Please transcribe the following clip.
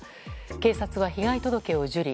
警察は被害届を受理。